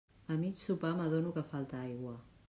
A mig sopar m'adono que falta aigua.